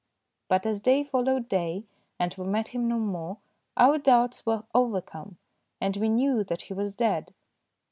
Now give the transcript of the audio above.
But as day followed day and we met him no more our doubts were over come, and we knew that he was dead.